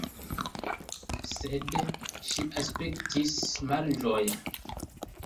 Sed ŝi aspektis malĝoje.